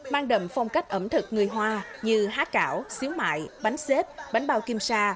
mang đầm phong cách ẩm thực người hoa như há cảo xíu mại bánh xếp bánh bao kim sa